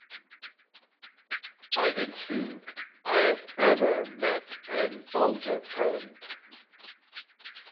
I don't think I've ever met an older friend.